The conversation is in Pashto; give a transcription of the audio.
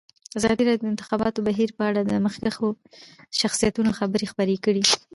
ازادي راډیو د د انتخاباتو بهیر په اړه د مخکښو شخصیتونو خبرې خپرې کړي.